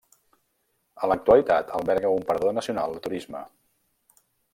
En l'actualitat alberga un Parador Nacional de Turisme.